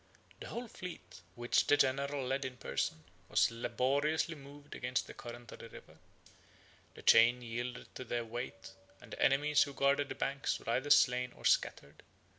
The whole fleet, which the general led in person, was laboriously moved against the current of the river. The chain yielded to their weight, and the enemies who guarded the banks were either slain or scattered.